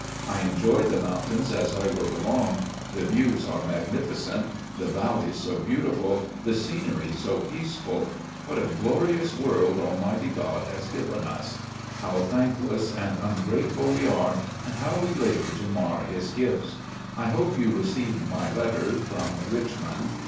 I enjoyed the mountains, as I rode along. The views are magnifi cent — the valleys so beautiful, the scenery so peaceful. What a glorious world Almighty God has given us. How thankless and ungrateful we are, and how we labour to mar his gifts. I hope you received my letters from Rich mond.